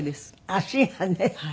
足がね。